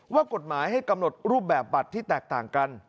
ว่ากฎหมายให้กำหนดรูปแบบบัตรที่แตกต่างกัน